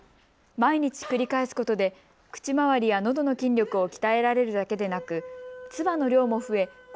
毎日繰り返すことで、口周りや喉の筋力を鍛えられるだけでなく唾の量も増え誤